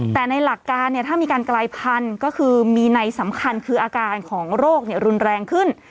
แต่ในหลักการถ้ามีการกลายพันธุ์ก็คือมีในสำคัญคืออาการของโรครุนแรงขึ้น